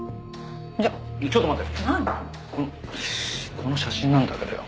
この写真なんだけどよ。